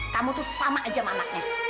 kamu tuh sama aja sama anaknya